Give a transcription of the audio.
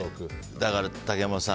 だから竹山さん